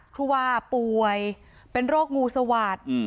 ครูวาป่วยเป็นโรคงูสวาด